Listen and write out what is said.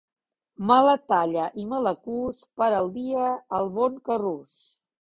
Me la talla i me la cus per al dia el bon Carrús.